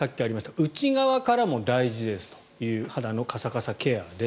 内側からも大事という肌のカサカサケアです。